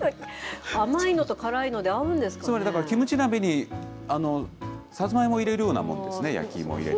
甘いのとからいので合うんですかつまり、だからキムチ鍋にさつまいも入れるようなものですね、焼き芋入れて。